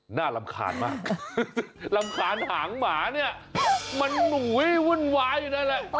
หน้ารำขาดมากรำขาดหางหมาเนี้ยมันหนุ้ยวุ่นวายอยู่นั่นแหละ